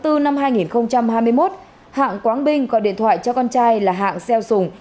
tháng bốn năm hai nghìn hai mươi một hạng quán binh gọi điện thoại cho con trai là hạng xeo sùng